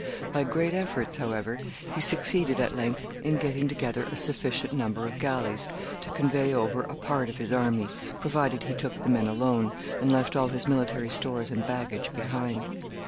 By great efforts, however, he succeeded at length in getting together a sufficient number of galleys to convey over a part of his army, provided he took the men alone, and left all his military stores and baggage behind.